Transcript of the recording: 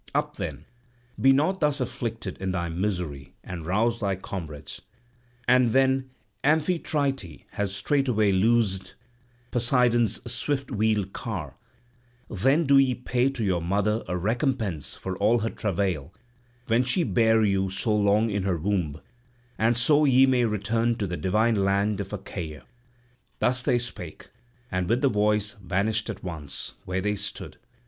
Up then; be not thus afflicted in thy misery, and rouse thy comrades. And when Amphitrite has straightway loosed Poseidon's swift wheeled car, then do ye pay to your mother a recompense for all her travail when she bare you so long in her womb; and so ye may return to the divine land of Achaea." Thus they spake, and with the voice vanished at once, where they stood.